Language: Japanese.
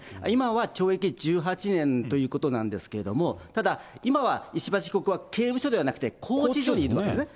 今は懲役１８年ということなんですけれども、ただ、今は石橋被告、刑務所ではなくて拘置所にいるわけで。